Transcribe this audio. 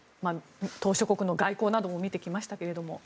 島しょ国の外交なども見てきましたが。